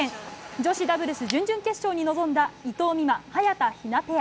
女子ダブルス準々決勝に臨んだ伊藤美誠、早田ひなペア。